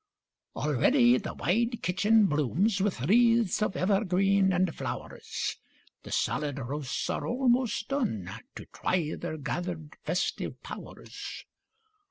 Already the wide kitchen blooms With wreaths of evergreens and flowers, The solid roasts are almost done, To try their gathered festive powers.